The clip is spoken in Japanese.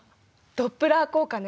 ドップラー効果ね。